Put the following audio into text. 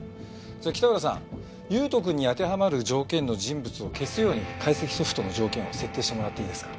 北浦さん悠斗くんに当てはまる条件の人物を消すように解析ソフトの条件を設定してもらっていいですか。